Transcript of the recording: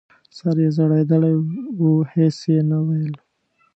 سر یې ځړېدلی و هېڅ یې نه ویل !